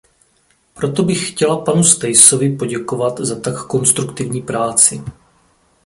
Proto bych chtěla panu Staesovi poděkovat za tak konstruktivní práci.